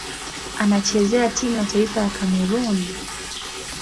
Anachezea timu ya taifa ya Kamerun.